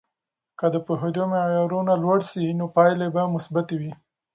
که د پوهیدو معیارونه لوړ سي، نو پایلې به مثبتې وي.